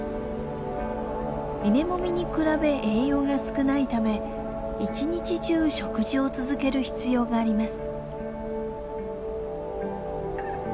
稲もみに比べ栄養が少ないため一日中食事を続ける必要があります。